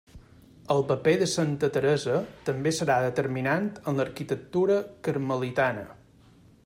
El paper de santa Teresa també serà determinant en l'arquitectura carmelitana.